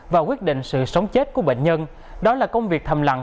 và quyết định sự sống chết của bệnh nhân đó là công việc thầm lặng